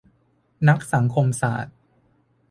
นักสังคมศาสตร์